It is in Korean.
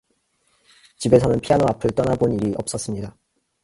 집에서는 피아노 앞을 떠나 본 일이 없었습니다.